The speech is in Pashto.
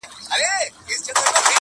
د شپې ویښ په ورځ ویده نه په کارېږي.!